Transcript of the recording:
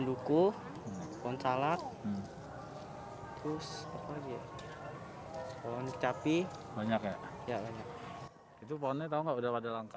ada juga darah panjang di mana mereka bisa mencobanya